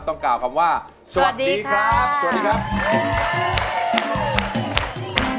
ต้องกล่าวคำว่าสวัสดีครับ